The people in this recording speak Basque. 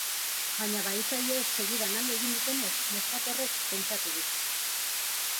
Baina bahitzaileek segidan alde egin dutenez, neskato horrek pentsatu du.